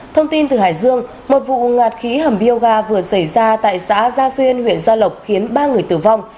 thông tin từ hải dương một vụ ngạt khí hầm bioga vừa xảy ra tại xã gia xuyên huyện gia lộc khiến ba người tử vong